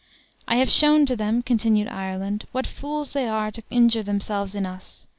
"I have shown to them," continued Ireland, "what fools they are to injure themselves in us.